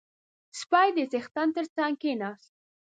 • سپی د څښتن تر څنګ کښېناست.